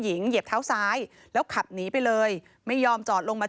เหยียบเท้าเขาแล้วเขาเดินไม่ได้